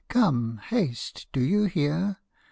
Come, haste ! Do you hear ?